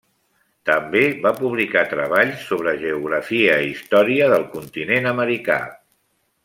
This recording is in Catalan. També va publicar treballs sobre Geografia i Història del continent americà.